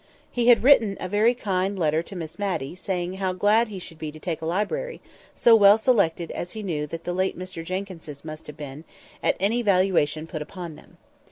He had written a very kind letter to Miss Matty, saying "how glad he should be to take a library, so well selected as he knew that the late Mr Jenkyns's must have been, at any valuation put upon them."